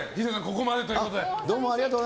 ここまでということで。